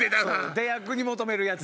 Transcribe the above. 出役に求めるやつ。